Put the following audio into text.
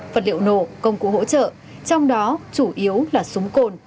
vật liệu nổ công cụ hỗ trợ trong đó chủ yếu là súng cồn